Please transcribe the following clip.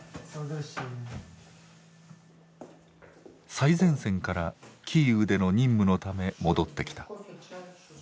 最前線からキーウでの任務のため戻ってきた。